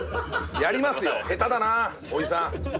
やりますよ下手だなおじさん。